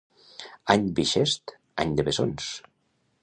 Any bixest, any de bessons.